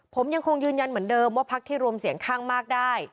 ผมยังคงยืนยันเหมือนเดิมว่าพักที่รวมเสียงข้างมากได้